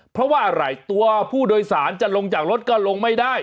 เพราะว่าอะไรตัวผู้โดยสารจะลงจากรถก็ลงไม่ได้